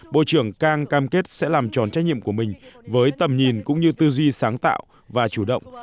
bộ trưởng cang cam kết sẽ làm tròn trách nhiệm của mình với tầm nhìn cũng như tư duy sáng tạo và chủ động